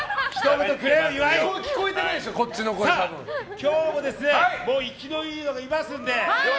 今日も生きのいいのがいますので。